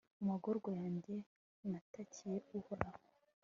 mu magorwa yanjye, natakiye uhoraho